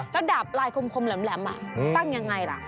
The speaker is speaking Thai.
แล้วดาบลายคมแหลมตั้งยังไงล่ะ